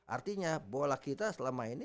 artinya bola kita selama ini